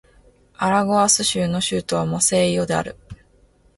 アラゴアス州の州都はマセイオである